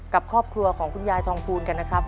กับครอบครัวของคุณยายทองภูลกันนะครับ